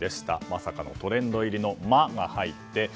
まさかのトレンド入りの「マ」が入って。